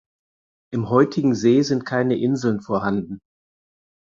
Im heutigen See sind keine Inseln vorhanden.